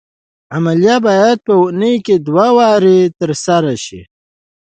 دا عملیه باید په اونۍ کې دوه وارې تر سره شي.